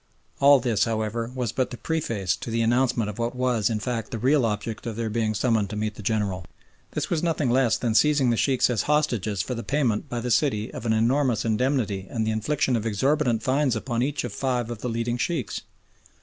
All this, however, was but the preface to the announcement of what was, in fact, the real object of their being summoned to meet the General. This was nothing less than the seizing the Sheikhs as hostages for the payment by the city of an enormous indemnity and the infliction of exorbitant fines upon each of five of the leading Sheikhs.